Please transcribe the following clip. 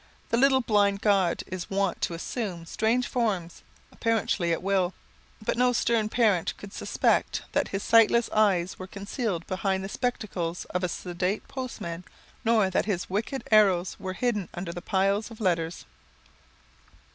The little blind god is wont to assume strange forms, apparently at will. But no stern parent could suspect that his sightless eyes were concealed behind the spectacles of a sedate postman, nor that his wicked arrows were hidden under piles of letters.